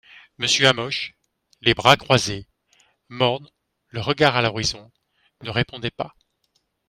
Monsieur Hamoche, les bras croises, morne, le regard a l'horizon, ne répondait pas.